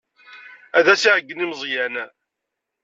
Ad as-iɛeyyen i Meẓyan.